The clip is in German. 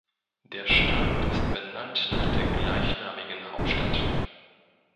Der Staat ist benannt nach der gleichnamigen Hauptstadt.